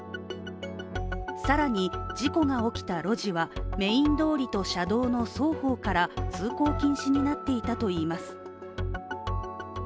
更に事故が起きた路地はメイン通りと車道の双方から通行禁止になっていたといいます。